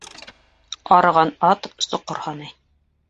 Арыған ат соҡор һанай